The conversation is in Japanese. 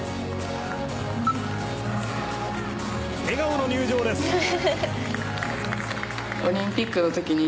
笑顔の入場です。